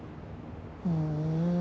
ふん。